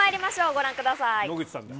ご覧ください。